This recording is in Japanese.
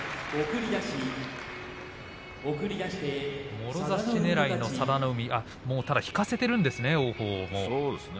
もろ差しねらいの佐田の海ただ引かせているんですね